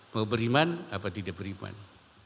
mau beriman apa tidak beriman